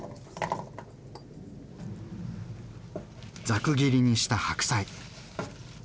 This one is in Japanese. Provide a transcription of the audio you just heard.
ざく切りにした白菜。